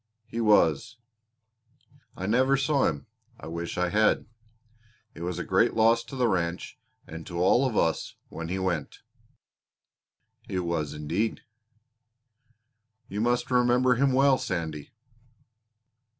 "He was." "I never saw him I wish I had. It was a great loss to the ranch and to all of us when he went." "It was indeed." "You must remember him well, Sandy."